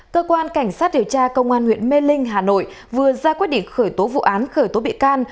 cơ quan cảnh sát điều tra công an huyện mê linh hà nội vừa ra quyết định khởi tố vụ án khởi tố bị can